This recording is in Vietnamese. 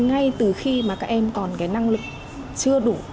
ngay từ khi mà các em còn cái năng lực chưa đủ